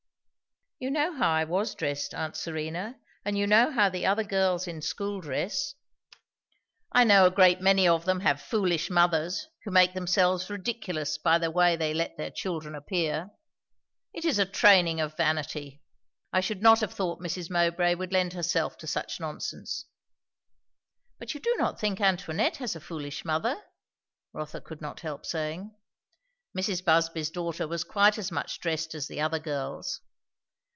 "You know how I was dressed, aunt Serena; and you know how the other girls in school dress." "I know a great many of them have foolish mothers, who make themselves ridiculous by the way they let their children appear. It is a training of vanity. I should not have thought Mrs. Mowbray would lend herself to such nonsense." "But you do not think Antoinette has a foolish mother?" Rotha could not help saying. Mrs. Busby's daughter was quite as much dressed as the other girls.